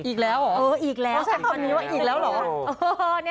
อีกแล้วหรืออีกแล้วอีกแล้วหรือ